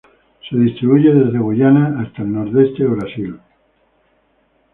Se distribuye desde Guyana hasta el nordeste de Brasil.